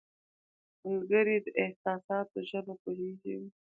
ملګری د احساساتو ژبه پوهیږي